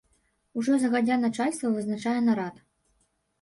Ужо загадзя начальства вызначае нарад.